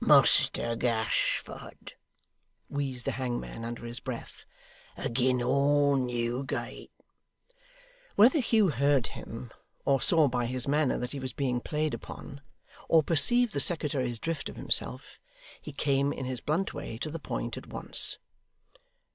'Muster Gashford,' wheezed the hangman under his breath, 'agin' all Newgate!' Whether Hugh heard him, or saw by his manner that he was being played upon, or perceived the secretary's drift of himself, he came in his blunt way to the point at once.